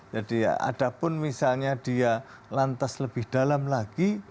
jadi ada pun misalnya dia lantas lebih dalam lagi